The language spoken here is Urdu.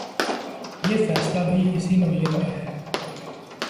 یہ فیصلہ بھی اسی نوعیت کا ہے۔